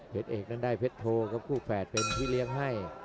เอกนั้นได้เพชรโทครับคู่แฝดเป็นพี่เลี้ยงให้